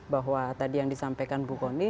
bahwa tadi yang disampaikan bu kony